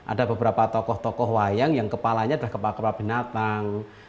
ada beberapa tokoh tokoh wayang yang kepalanya adalah kepala kepala binatang